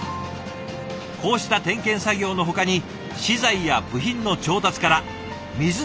こうした点検作業のほかに資材や部品の調達から水の凍結対策まで。